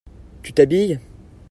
Tu t'habilles ?